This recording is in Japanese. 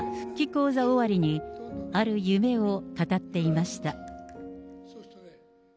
高座終わりに、ある夢を語っていました。